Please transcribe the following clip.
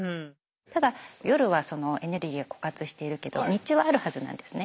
ただ夜はエネルギーが枯渇しているけど日中はあるはずなんですね。